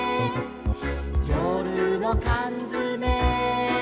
「よるのかんづめ」